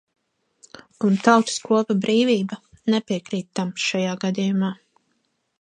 "Un Tautas kopa "Brīvība" nepiekrīt tam šajā gadījumā."